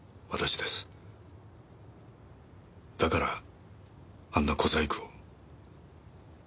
だからあんな小細工を。